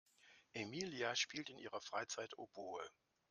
Emilia spielt in ihrer Freizeit Oboe.